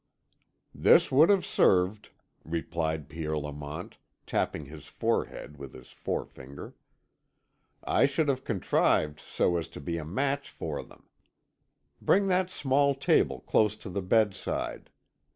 "This would have served," replied Pierre Lamont, tapping his forehead with his forefinger. "I should have contrived so as to be a match for them. Bring that small table close to the bedside.